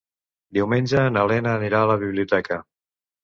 Diumenge na Lena anirà a la biblioteca.